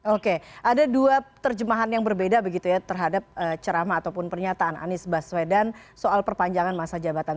oke ada dua terjemahan yang berbeda begitu ya terhadap ceramah ataupun pernyataan anies baswedan soal perpanjangan masa jabatan